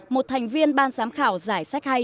một thành viên ban giám khảo giải sách hay